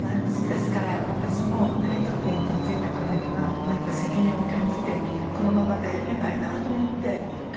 ですから私も内藤家に嫁いだからには何か責任を感じてこのままではいけないなあと思ってカフェにいたしました。